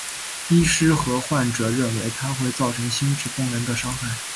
医师和患者认为它会造成心智功能的伤害。